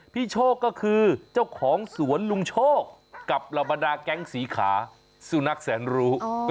โชคก็คือเจ้าของสวนลุงโชคกับเหล่าบรรดาแก๊งสีขาสุนัขแสนรู้